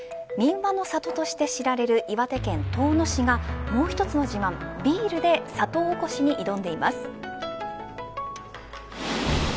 民話の里として知られる岩手県遠野市がもう一つの自慢ビールで里おこしに挑んでいます。